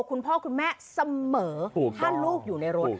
คุณพ่อคุณแม่เสมอถ้าลูกอยู่ในรถ